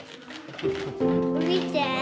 見て。